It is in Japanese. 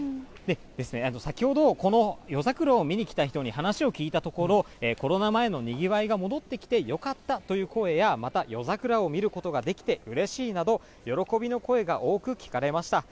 先ほど、この夜桜を見に来た人に話を聞いたところ、コロナ前のにぎわいが戻ってきてよかったという声や、また夜桜を見ることができてうれしいなど、喜びの声が多く聞かれました。